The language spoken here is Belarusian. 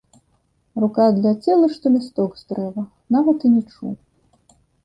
Рука адляцела, што лісток з дрэва, нават і не чуў.